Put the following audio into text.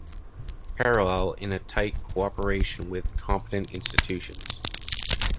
Parallel in a tight cooperation with the competent institutions.